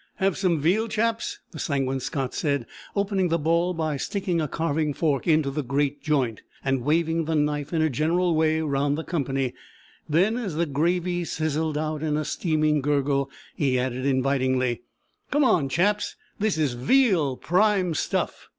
"Have some veal, chaps?" the Sanguine Scot said, opening the ball by sticking a carving fork into the great joint, and waving the knife in a general way round the company; then as the gravy sizzed out in a steaming gurgle he added invitingly: "Come on, chaps! This is VEAL prime stuff!